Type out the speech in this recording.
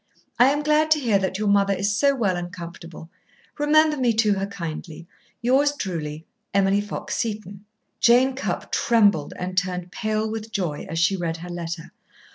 I am glad to hear that your mother is so well and comfortable. Remember me to her kindly. Yours truly, EMILY FOX SETON Jane Cupp trembled and turned pale with joy as she read her letter.